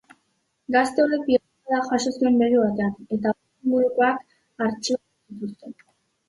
Gazte horrek pilotakada jaso zuen begi batean eta horren ingurukoak artxibatu zituzten.